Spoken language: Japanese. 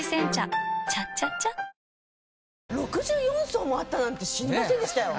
６４層もあったなんて知りませんでしたよ。